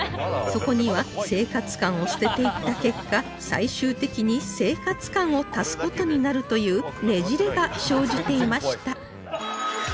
そこには生活感を捨てていった結果最終的に生活感を足す事になるというねじれが生じていました